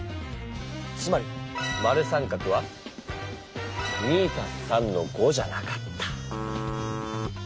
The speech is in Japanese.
つまり○△は２＋３の５じゃなかった。